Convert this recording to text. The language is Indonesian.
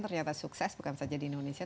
ternyata sukses bukan saja di indonesia